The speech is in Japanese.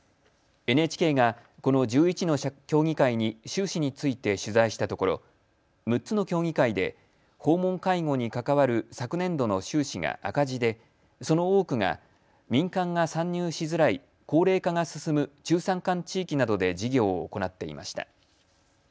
ＮＨＫがこの１１の協議会に収支について取材したところ６つの協議会で訪問介護に関わる昨年度の収支が赤字でその多くが民間が参入しづらい高齢化が進む中山間地域などで事業を行っていました。